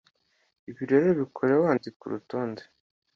Ibi rero bikore wandika urutonde